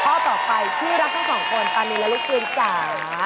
ข้อต่อไปที่รักให้สองคนปานีและลูกเสียงจา